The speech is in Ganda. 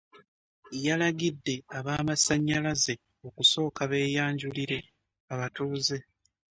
Yalagidde ab'amasannyalaze okusooka beeyanjulire abatuuze